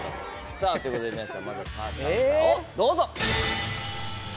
さぁということで皆さんまずはファーストアンサーをどうぞ。